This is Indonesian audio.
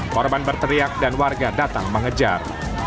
korban berteriak dan warga datang mengejar